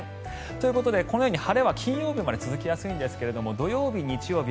ということで、このように晴れは金曜日まで続きやすいんですが土曜日、日曜日